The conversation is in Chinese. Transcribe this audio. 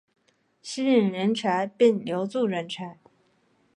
吸引人才并留住人才